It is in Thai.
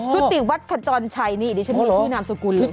อ๋ออ๋อฟุติวัตคจรชัยนี่นี่ฉันมีชื่อนามสกุลแล้ว